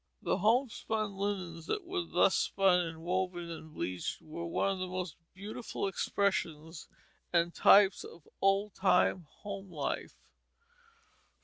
The homespun linens that were thus spun and woven and bleached were one of the most beautiful expressions and types of old time home life.